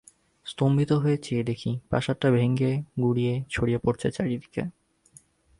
স্তম্ভিত হয়ে চেয়ে দেখি, প্রাসাদটা ভেঙে গুড়িয়ে ছড়িয়ে পড়ছে চারদিকে।